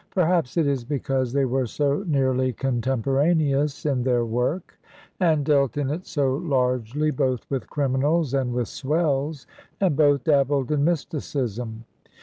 Perhaps it is because they were so nearly contemporaneous in their work, and dealt in it so largely both with criminsds and with swells, and both dabbled in mysticism.